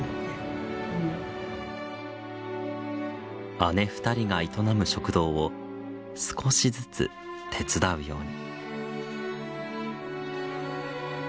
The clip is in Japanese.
姉２人が営む食堂を少しずつ手伝うように。